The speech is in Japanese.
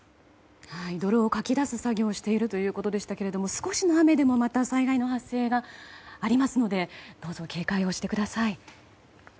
泥をかき出す作業をしているということでしたが少しの雨でもまた災害の発生がありますのでどうぞ、警戒をしてください。